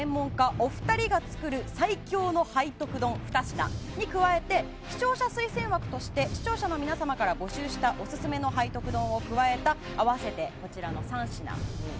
お二人が作る最強の背徳丼２品に加えて視聴者推薦枠として視聴者の皆さんからのオススメの背徳丼を加えた３品。